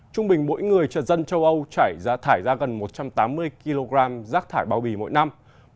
trung bình mỗi người trần dân châu âu trải rác thải ra gần một trăm tám mươi kg rác thải bao bì mỗi năm